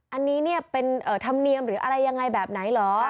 อันนี้เนี่ยเป็นธรรมเนียมหรืออะไรยังไงแบบไหนเหรอ